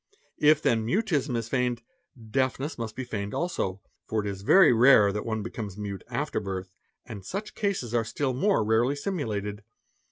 If then mutism is feigned, deafness must be feigned also, for it is very rare that one becomes mute after birth, and such cases are still more rarely simulated.